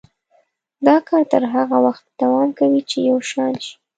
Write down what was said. دا کار تر هغه وخته دوام کوي چې یو شان شي.